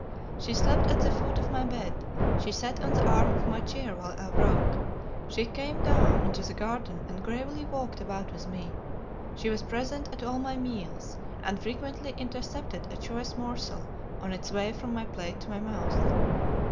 She slept at the foot of my bed: she sat on the arm of my chair while I wrote: she came down into the garden and gravely walked about with me: she was present at all my meals, and frequently intercepted a choice morsel on its way from my plate to my mouth.